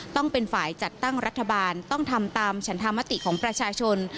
ต้องเป็นฝ่ายจัดตั้งรัฐบาลต้องทำตามฉันธรรมติของประชาชน